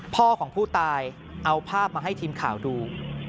พ่อของผู้ตายเอาภาพมาให้ทีมข่าวดู